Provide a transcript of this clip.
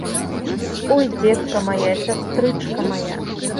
Ой, дзетка мая, сястрычка мая!